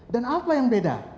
dan apa yang beda